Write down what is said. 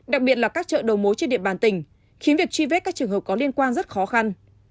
đặc biệt là các chợ đầu mối trên địa bàn tỉnh khiến việc truy vết các trường hợp có liên quan rất khó khăn